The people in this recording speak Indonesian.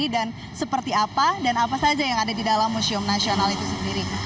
dan seperti apa dan apa saja yang ada di dalam museum nasional itu sendiri